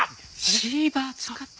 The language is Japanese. シーバー使って。